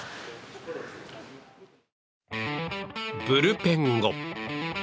ブルペン後。